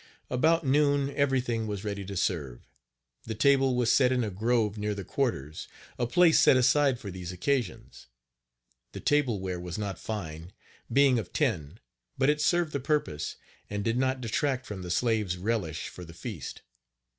About noon everything was ready to serve. The table was set in a grove near the quarters, a place set aside for these occasions. The tableware was not fine, being of tin, but it served the purpose, and did not detract from the slaves' relish for the feast.